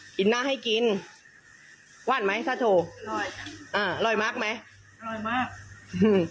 กินหน้าให้กินว่านไหมสาโถอืมอ่าร้อยมากไหมร้อยมากอืม